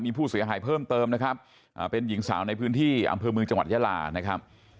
มีผู้เสียหายเพิ่มเติมนะครับเป็นหญิงสาวในพื้นที่อำเภอเมืองจังหวัดยาลานะครับ